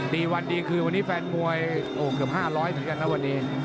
ดีวันดีคือวันนี้แฟนมวยเกือบ๕๐๐เฉพาะเงินพอวันนี้